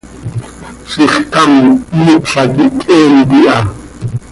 Zixcám cmiipla quih cheemt iha.